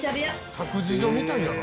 託児所みたいやな。